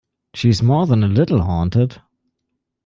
She's more than a little haunted.